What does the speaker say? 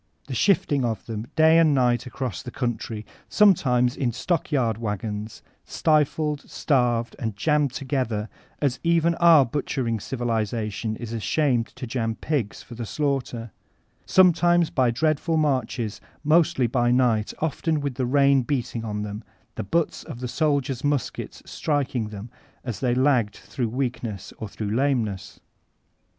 The shifting of them day and night across the country, sometimes in stock yard wagons, stifled, starved, and jammed together, as even our butchering civilization is ashamed to jam pigs for the slaughter; sometimes by dreadful mardies, mostly by night, often with the rain beating on them, the butts of the sddiers' muskets striking them, as they lagged through weakness or through lameness.